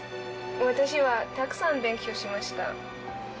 私はたくさん勉強しました。